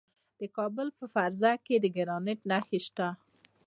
د کابل په فرزه کې د ګرانیټ نښې شته.